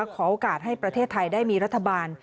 ขอโอกาสให้ประเทศไทยได้มีรัฐบาล